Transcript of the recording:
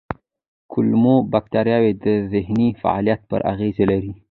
کولمو بکتریاوې د ذهني فعالیت پر اغېز لري.